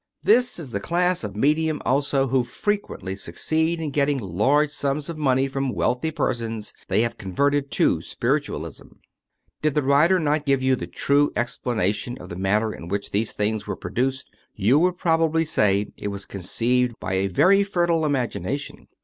This is the class of medium also who frequently succeed in getting large sums of money from wealthy persons they have converted to spiritualism. 296 How Spirits Materialize Did the writer not give you the true explanation of the manner in which these things were produced, you would probably say it was conceived by a very fertile imagination.